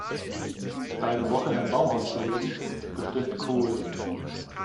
Für eine Woche in einem Baumhaus zu leben, ist bestimmt cool.